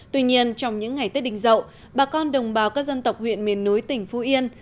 tuy nhiên trong những ngày tết đình dậu bà con đồng bào các dân tộc huyện miền núi tỉnh phú yên